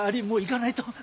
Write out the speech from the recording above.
もう行かないと。